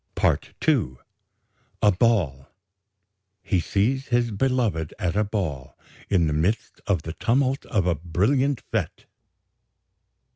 "PART II "A BALL "He sees his beloved at a ball, in the midst of the tumult of a brilliant fête.